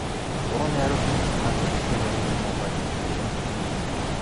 Борооны ариухан дусал газар дэлхийг ариусган угааж энхрийлнэ.